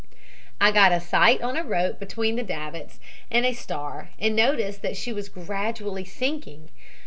"I got a sight on a rope between the davits and a star and noticed that she was gradually sinking.